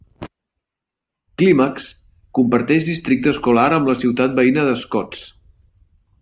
Climax comparteix districte escolar amb la ciutat veïna de Scotts.